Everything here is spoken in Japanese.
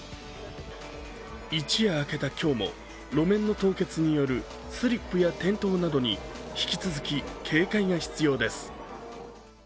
一夜明けた今日も路面の凍結によるスリップや転倒などに引き続き警戒が必要です。